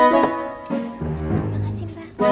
terima kasih mbak